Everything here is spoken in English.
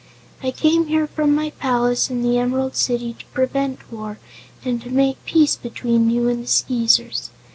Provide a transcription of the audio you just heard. I came here from my palace in the Emerald City to prevent war and to make peace between you and the Skeezers.